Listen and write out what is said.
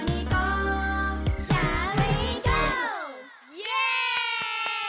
イエイ！